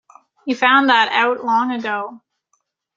You found that out long ago.